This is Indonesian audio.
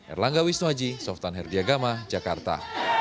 erlangga wisnuaji softan herdiagama jakarta